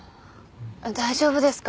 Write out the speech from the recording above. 大丈夫ですか？